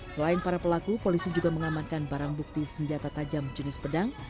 selain para pelaku polisi juga mengamankan barang bukti senjata tajam jenis pedang